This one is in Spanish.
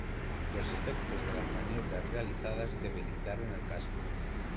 Los efectos de las maniobras realizadas debilitaron el casco.